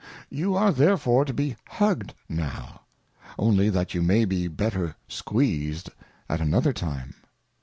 You are therefore to be hugged now, only that you may be the better squeezed at another ~ time.